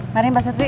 mari mbak suti